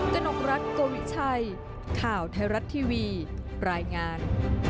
กนกรัฐโกวิชัยข่าวไทยรัฐทีวีรายงาน